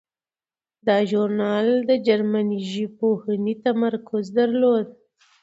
دا ژورنال د جرمني ژبپوهنې تمرکز درلود.